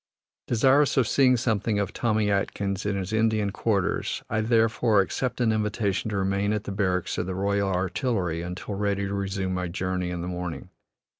Desirous of seeing something of Tommy Atkins in his Indian quarters, I therefore accept an invitation to remain at the barracks of the Royal Artillery until ready to resume my journey in the morning.